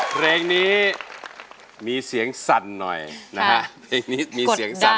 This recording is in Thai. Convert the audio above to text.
เพลงนี้มีเสียงสั่นหน่อย